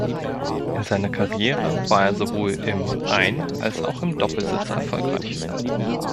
In seiner Karriere war er sowohl im Ein- als auch im Doppelsitzer erfolgreich.